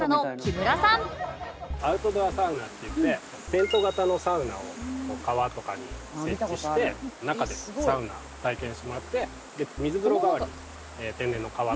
アウトドアサウナっていってテント型のサウナを川とかに設置して中でサウナを体験してもらって水風呂代わりに天然の川とか。